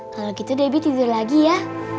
kalau gitu debit tidur lagi ya